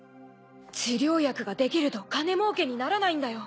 治療薬ができると金もうけにならないんだよ。